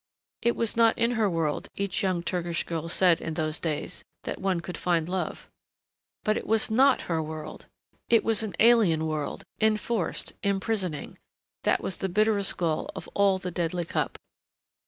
It was not in her world, each young Turkish girl said in those days, that one could find love. But it was not her world! It was an alien world, enforced, imprisoning.... That was the bitterest gall of all the deadly cup.